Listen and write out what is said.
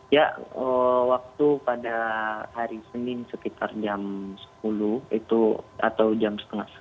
ya waktu pada hari senin sekitar jam sepuluh atau jam dua belas